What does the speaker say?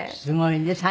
すごいね。